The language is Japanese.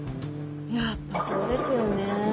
やっぱそうですよね。